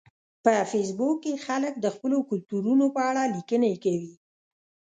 په فېسبوک کې خلک د خپلو کلتورونو په اړه لیکنې کوي